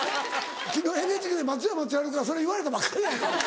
昨日ＮＨＫで松山千春からそれ言われたばっかりや。